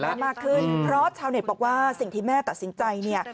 เริ่มโอเคกันมากขึ้นเพราะชาวเน็ตบอกว่าสิ่งที่แม่ตัดสินใจ